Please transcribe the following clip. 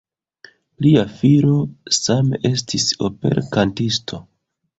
Lia filo same estis operkantisto.